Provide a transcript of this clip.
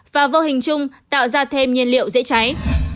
và vô hình chung tạo ra thêm nhiên liệu dễ cháy